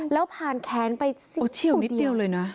แล้วผ่านแขนไปเซียวเดียวโอ้เซียวนิดเดียวเลยนะ